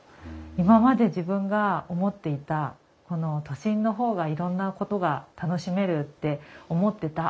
今まで自分が思っていた都心の方がいろんなことが楽しめるって思ってた。